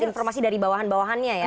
informasi dari bawahan bawahannya ya